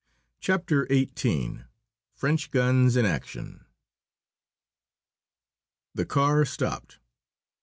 CHAPTER XVIII FRENCH GUNS IN ACTION The car stopped.